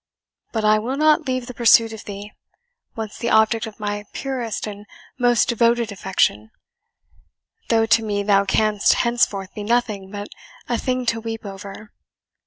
But I will not leave the pursuit of thee, once the object of my purest and most devoted affection, though to me thou canst henceforth be nothing but a thing to weep over.